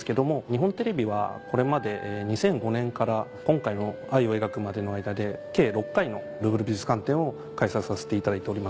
日本テレビはこれまで２００５年から今回の「愛を描く」までの間で計６回のルーヴル美術館展を開催させていただいております。